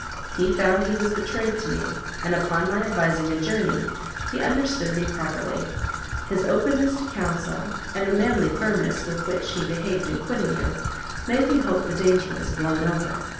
He found he was betrayed to me, and upon my advising a journey, he understood me properly. His openness to counsel, and the manly firmness with which he behaved in quitting you, made me hope the danger was blown over.